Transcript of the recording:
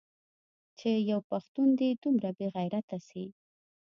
چې يو پښتون دې دومره بې غيرته سي.